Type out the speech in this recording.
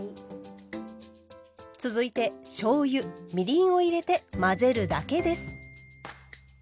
続いてしょうゆみりんを入れて混ぜるだけです。